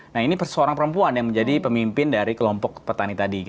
nah ini seorang perempuan yang menjadi pemimpin dari kelompok petani tadi